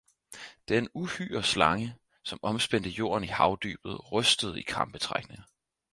Den uhyre slange, som omspændte jorden i havdybet, rystede i krampetrækninger